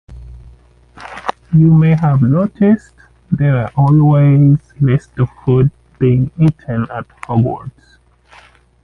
You may have noticed that I always list the food being eaten at Hogwarts.